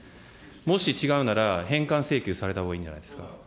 もし違うなら、返還請求されたほうがいいんじゃないですか。